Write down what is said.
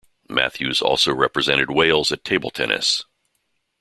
Matthews also represented Wales at table tennis.